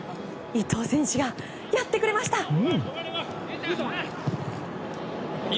伊東選手がやってくれました。